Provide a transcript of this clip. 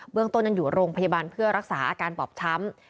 ต้นยังอยู่โรงพยาบาลเพื่อรักษาอาการบอบช้ำ